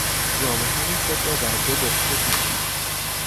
جامههای خود را در دو بقچه پیچید.